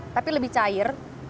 tapi lebih cair